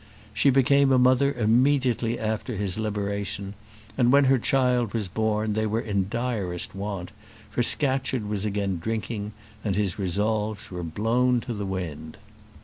She became a mother immediately after his liberation, and when her child was born they were in direst want; for Scatcherd was again drinking, and his resolves were blown to the wind.